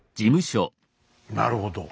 なるほど。